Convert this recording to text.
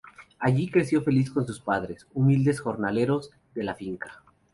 Allí creció feliz con sus padres, humildes jornaleros de la finca.